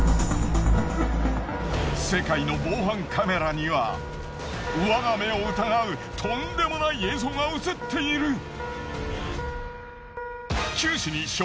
世界の防犯カメラには我が目を疑うとんでもない映像が映っている。